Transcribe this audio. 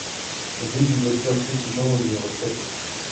Rue du Docteur Petitjean au numéro sept